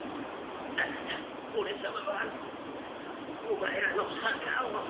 だから俺さまはお前らの墓を。